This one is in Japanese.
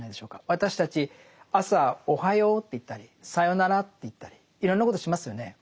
私たち朝おはようと言ったりさよならって言ったりいろんなことしますよね。